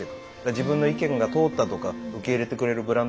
自分の意見が通ったとか受け入れてくれるブランドがあるんだ。